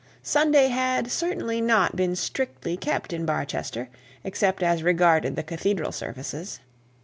Sunday certainly had to been strictly kept in Barchester, except as regarded the cathedral services.